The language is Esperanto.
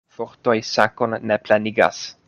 Vortoj sakon ne plenigas.